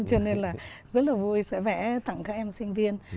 cho nên là rất là vui sẽ vẽ thẳng các em sinh viên